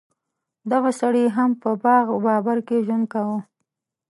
دغه سړي هم په باغ بابر کې ژوند کاوه.